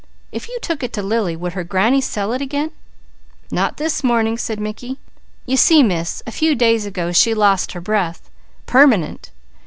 If you took it to Lily, would her granny sell it again?" "Not this morning," said Mickey. "You see Miss, a few days ago she lost her breath. Permanent!